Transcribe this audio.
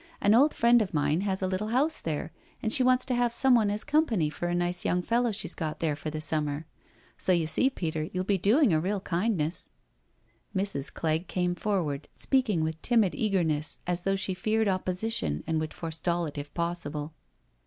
'An old friend of mine has a little house there, and she wants to have someone as company for a nice young fellow she's got there for the summer. So you see, Peter, you'll be doing a real kindness " Mrs. Clegg came forward, speaking with timid eager ness, as though she feared opposition and would fore stall it if possible.